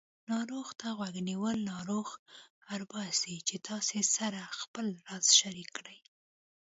ناروغ ته غوږ نیول ناروغ اړباسي چې تاسې سره خپل راز شریک کړي